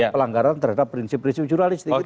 pelanggaran terhadap prinsip prinsip jurnalistik itu